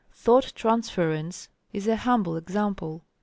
"Thought Transference" is a humble example.